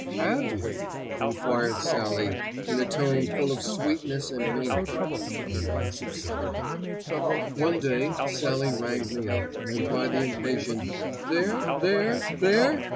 "Have you?" enquired Sallie in a tone full of sweetness and meaning. The man subsided. One day Sallie rang me up, and by the impatient "There? There?? There???